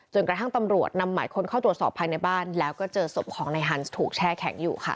กระทั่งตำรวจนำหมายค้นเข้าตรวจสอบภายในบ้านแล้วก็เจอศพของนายฮันส์ถูกแช่แข็งอยู่ค่ะ